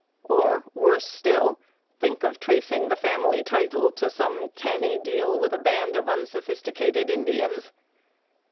Or, worse still, think of tracing the family title to some canny deal with a band of unsophisticated Indians!